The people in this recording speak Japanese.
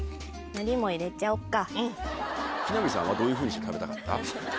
のりも入れちゃおっか。